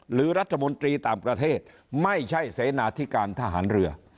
หรือรัฐมนตรีต่างประเทศไม่ใช่เสนาธิการทหารเรือ